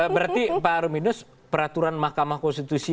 berarti pak rufinus peraturan mahkamah konstitusi yang ditutup